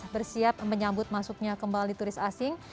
bersiap menyambut masuknya kembali turis asing